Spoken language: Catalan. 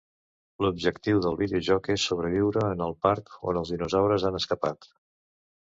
L'objectiu del videojoc és sobreviure en el parc on els dinosaures han escapat.